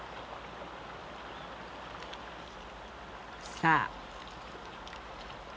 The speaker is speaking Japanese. さあ。